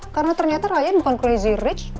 karena ternyata ryan bukan crazy rich